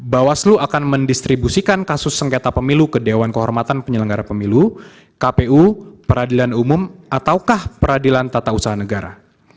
bawaslu akan mendistribusikan kasus sengketa pemilu ke dewan kehormatan penyelenggara pemilu kpu peradilan umum ataukah peradilan tata usaha negara